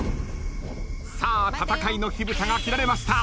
さあ戦いの火ぶたが切られました。